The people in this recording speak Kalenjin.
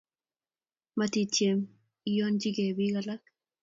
Metyem iyonyekey piik alak